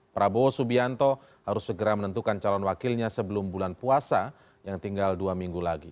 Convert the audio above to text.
prabowo subianto harus segera menentukan calon wakilnya sebelum bulan puasa yang tinggal dua minggu lagi